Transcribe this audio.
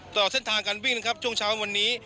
ตลอดเส้นทางการวิ่งนะครับช่วงเช้าวันนี้